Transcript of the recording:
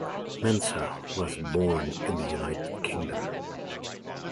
Mensah was born in the United Kingdom.